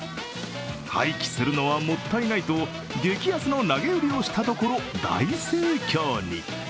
廃棄するのはもったいないと激安の投げ売りをしたところ大盛況に。